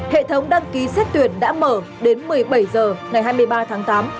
hệ thống đăng ký xét tuyển đã mở đến một mươi bảy h ngày hai mươi ba tháng tám